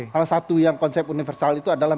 salah satu yang konsep universal itu adalah